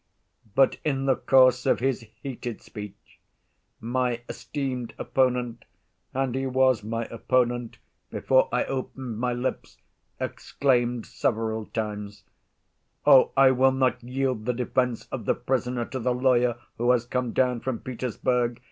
"But in the course of his heated speech my esteemed opponent (and he was my opponent before I opened my lips) exclaimed several times, 'Oh, I will not yield the defense of the prisoner to the lawyer who has come down from Petersburg.